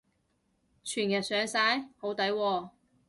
全日上晒？好抵喎